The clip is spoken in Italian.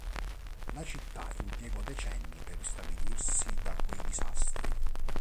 La città impiegò decenni per ristabilirsi da quei disastri.